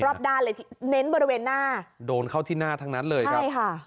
รอบด้านเลยเน้นบริเวณหน้าโดนเข้าที่หน้าทั้งนั้นเลยครับใช่ค่ะ